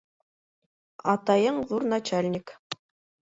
Атайың ҙур начальник.